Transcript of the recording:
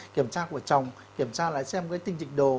kiểm tra của chồng kiểm tra lại xem cái tinh dịch đồ